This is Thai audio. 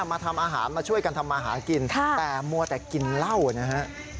มาทำอาหารมาช่วยกันทำมาหากินแต่มัวแต่กินเหล้านะฮะ